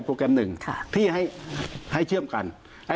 คุณประสิทธิ์ทราบรึเปล่าคะว่า